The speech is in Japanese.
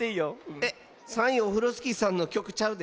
えっ３いオフロスキーさんのきょくちゃうで。